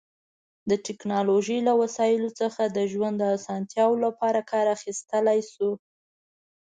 د ټیکنالوژی له وسایلو څخه د ژوند د اسانتیا لپاره کار اخیستلی شو